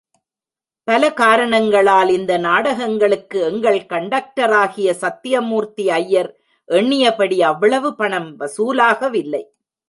பல காரணங்களால் இந்த நாடகங்களுக்கு எங்கள் கண்டக்டராகிய சத்தியமூர்த்தி ஐயர் எண்ணியபடி அவ்வளவு பணம் வசூலாகவில்லை.